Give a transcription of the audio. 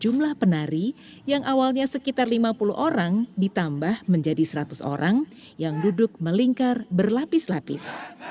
jumlah penari yang awalnya sekitar lima puluh orang ditambah menjadi seratus orang yang duduk melingkar berlapis lapis